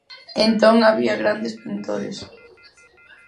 Entón había grandes pintores.